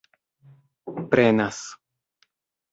prenas